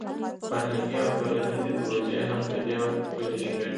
فرهنګي او ټولنیزې پروژې هم په دې وخت کې پلې شوې.